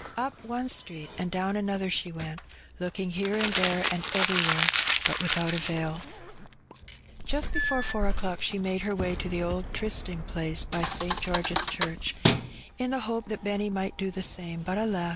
Up one street and down another she went, looking here and there and everywhere, but without avail Tempted. 93 Just before four o'clock she made her way to the old trysting place hy St. George's Church, in the hope that Benny might do the samej but, ftka!